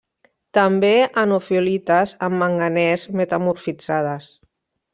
També en ofiolites amb manganès metamorfitzades.